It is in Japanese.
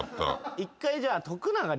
１回じゃあ。